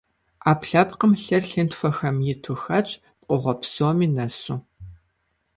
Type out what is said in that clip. Ӏэпкълъэпкъым лъыр лъынтхуэхэм иту хэтщ, пкъыгъуэ псоми нэсу.